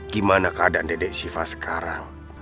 gimana keadaan dede siva sekarang